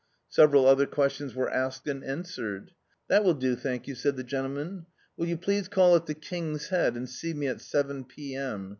Several other questions were asked and answered. "That wilt do^ thank you," said the gentleman; "wilt you please call at the 'King's Head' and see me at seven p. M.?